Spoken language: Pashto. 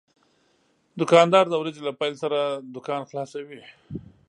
دوکاندار د ورځې له پېل سره دوکان خلاصوي.